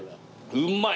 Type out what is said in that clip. うまい！